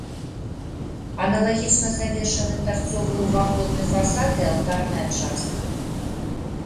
Аналагічна завершаны тарцовы ўваходны фасад і алтарная частка.